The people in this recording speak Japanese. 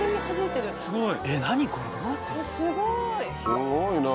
すごいな。